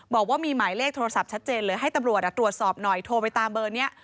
บอกว่ามีหมายเลขโทรศัพท์ชัดเจนเลยให้ตำรวจตรวจสอบหน่อยโทรไปตามเบอร์นี้